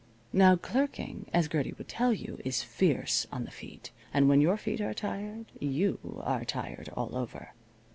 Now clerking, as Gertie would tell you, is fierce on the feet. And when your feet are tired you are tired all over.